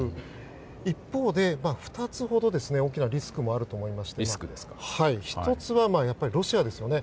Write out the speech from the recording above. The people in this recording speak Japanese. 一方で、２つほど大きなリスクもあると思いまして１つはロシアですよね。